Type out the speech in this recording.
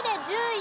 １０位。